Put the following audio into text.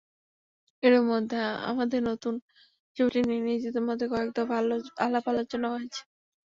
এরই মধ্যে আমাদের নতুন ছবিটি নিয়ে নিজেদের মধ্যে কয়েক দফা আলাপ-আলোচনাও হয়েছে।